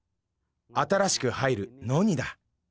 新しく入るノニだ。